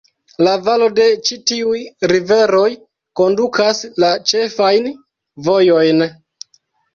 La valo de ĉi tiuj riveroj kondukas la ĉefajn vojojn.